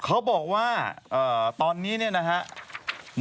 เขาบอกว่าตอนนี้เนี่ยนะครับ